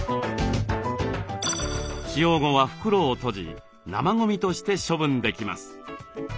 使用後は袋を閉じ生ゴミとして処分できます。